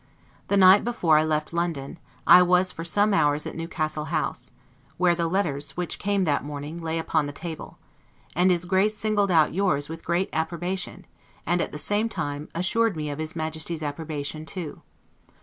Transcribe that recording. The night before I left London. I was for some hours at Newcastle House, where the letters, which came that morning, lay upon the table: and his Grace singled out yours with great approbation, and, at the same time, assured me of his Majesty's approbation, too.